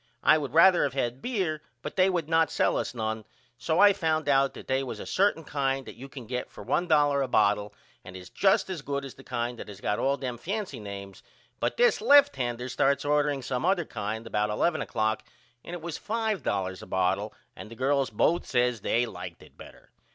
I would rather of had beer but they would not sell us none so I found out that they was a certain kind that you can get for $1 a bottle and it is just as good as the kind that has got all them fancy names but this lefthander starts ordering some other kind about 11 oclock and it was $5 a bottle and the girls both says they liked it better.